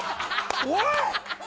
おい！